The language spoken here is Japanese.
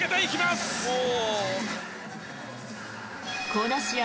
この試合